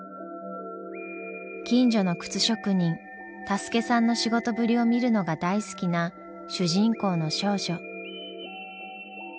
近所の靴職人タスケさんの仕事ぶりを見るのが大好きな主人公の少女。